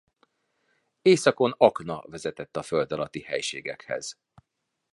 Északon akna vezetett a föld alatti helyiségekhez.